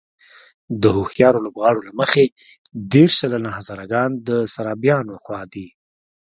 د هوښیارو لوبغاړو له مخې دېرش سلنه هزاره ګان د سرابيانو خوا دي.